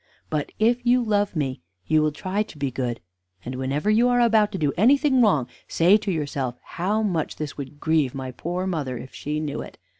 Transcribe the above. But if you love me, you will try to be good; and whenever you are about to do anything wrong, say to yourself, 'How much this would grieve my poor mother if she knew it!